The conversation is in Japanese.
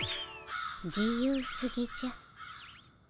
自由すぎじゃ。